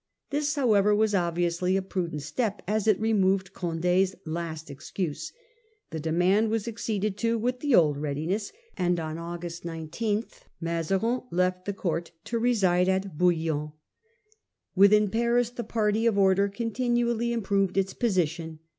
This however was obviously a prudent step, as it removed Condd's last excuse. The demand was acceded to with the old readiness, and on 1652. Triumph of the Court 69 August 19 Mazarin left the court to reside at Bouillon. Within Paris the party of order continually improved its position.